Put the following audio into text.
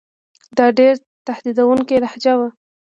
دا ډېره تهدیدوونکې لهجه وه.